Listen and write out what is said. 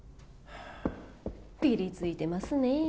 ピリついてますねえ。